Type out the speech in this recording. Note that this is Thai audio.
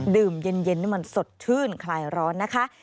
ดื่มเย็นนี่มันสดชื่นคลายร้อนนะคะ